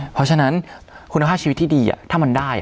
เพราะฉะนั้นคุณภาพชีวิตที่ดีถ้ามันได้